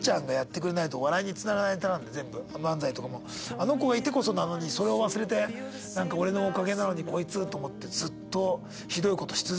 あの子がいてこそなのにそれを忘れて俺のおかげなのにこいつ！とずっとひどいことし続けて。